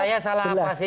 ibu saya salah apa sih